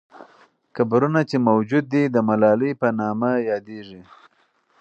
قبرونه چې موجود دي، د ملالۍ په نامه یادیږي.